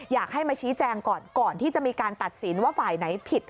อยากให้มาชี้แจงก่อนก่อนที่จะมีการตัดสินว่าฝ่ายไหนผิด